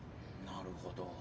なるほど。